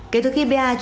kể từ khi ba một